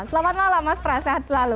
selamat malam mas pras sehat selalu